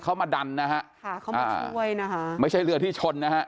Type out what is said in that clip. เขามาดันนะฮะค่ะเขามาช่วยนะคะไม่ใช่เรือที่ชนนะฮะ